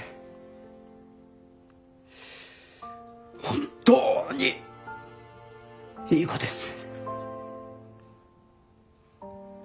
本当にいい子です。